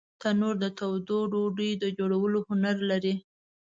تنور د تودو ډوډیو د جوړولو هنر لري